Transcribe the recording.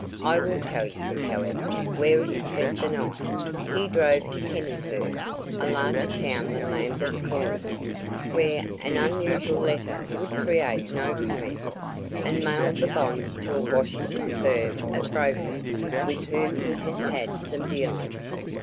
I will tell you, however, where he spent the night; he drove to Kennisburg a larger town than Lambert Corners, where an unusual letter would create no comment and mailed the bonds to a Washington firm of brokers with whom he has had some dealings.